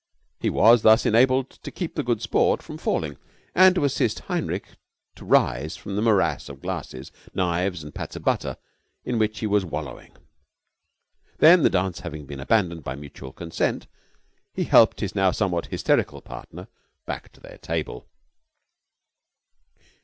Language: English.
He was thus enabled to keep the Good Sport from falling and to assist Heinrich to rise from the morass of glasses, knives, and pats of butter in which he was wallowing. Then, the dance having been abandoned by mutual consent, he helped his now somewhat hysterical partner back to their table.